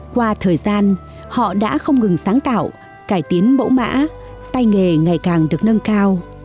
qua thời gian họ đã không ngừng sáng tạo cải tiến mẫu mã tay nghề ngày càng được nâng cao